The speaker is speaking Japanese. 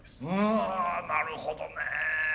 うんなるほどね。